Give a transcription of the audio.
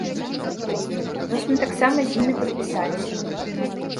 Вось мы таксама з імі падпісаліся.